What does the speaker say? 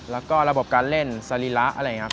แล้วก็ระบบการเล่นสรีระอะไรอย่างนี้ครับ